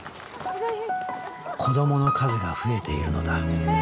子どもの数が増えているのだ。